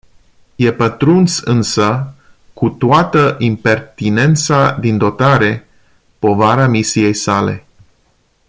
E pătruns însă, cu toată impertinența din dotare, povara misiei sale.